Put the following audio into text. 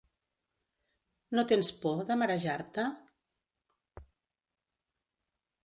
¿No tens por, de marejar-te?